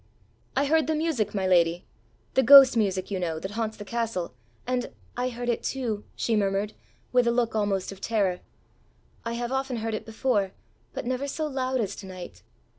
"I heard the music, my lady the ghost music, you know, that haunts the castle, and " "I heard it too," she murmured, with a look almost of terror. "I have often heard it before, but never so loud as to night.